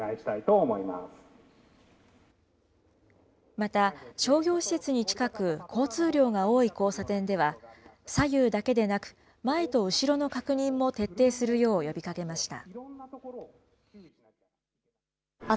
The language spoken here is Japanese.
また、商業施設に近く、交通量が多い交差点では、左右だけでなく、前と後ろの確認も徹底するよう呼びかけました。